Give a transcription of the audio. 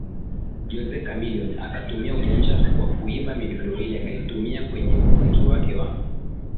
Jose Chameleone akatumia ujanja kwa kuiba midundo ile akaitumia kwenye muziki wake wa